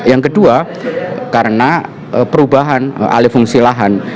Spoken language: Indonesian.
yang kedua karena perubahan alih fungsi lahan